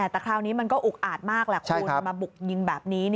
แต่คราวนี้มันก็อุกอาจมากแหละคุณมาบุกยิงแบบนี้